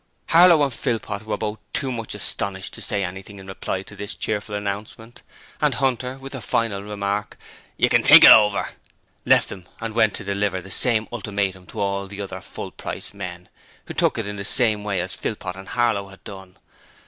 Harlow and Philpot were both too much astonished to say anything in reply to this cheerful announcement, and Hunter, with the final remark, 'You can think it over,' left them and went to deliver the same ultimatum to all the other full price men, who took it in the same way as Philpot and Harlow had done.